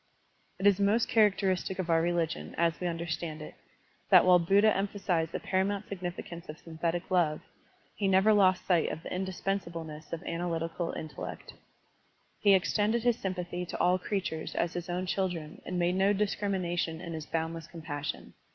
It is most characteristic of our religion, as we tmderstand it, that while Buddha emphasized the paramount significance of synthetic love, he never lost sight of the indispensableness of analjrt ical intellect. He extended his sympathy to all creatures as his own children and made no dis crimination in his boundless compassion.